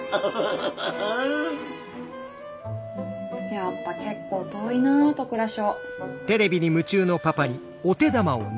やっぱ結構遠いな戸倉小。